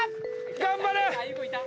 頑張れ！